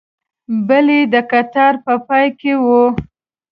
بل یې د کتار په پای کې و.